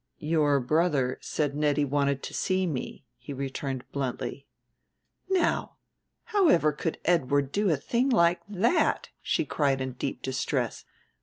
"Your brother said Nettie wanted to see me," he returned bluntly. "Now, however could Edward do a thing like that!" she cried in deep distress.